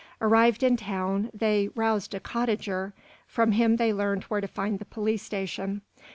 Arrived in town, they roused a cottager. From him they learned where to find the police station.